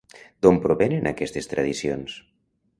D'on provenen aquestes tradicions?